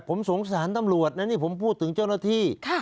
ผมสงสารตำรวจนะนี่ผมพูดถึงเจ้าหน้าที่